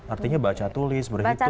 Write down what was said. artinya baca tulis berhitung itu semuanya